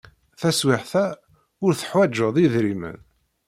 Taswiɛt-a, ur teḥwajeḍ idrimen.